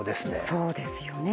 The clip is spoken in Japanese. そうですよね。